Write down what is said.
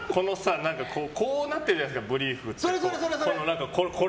こうなってるじゃないですかブリーフって。